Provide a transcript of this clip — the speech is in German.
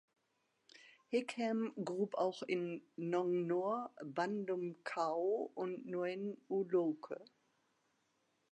Higham grub auch in Nong Nor, Ban Lum Khao und Noen U-Loke.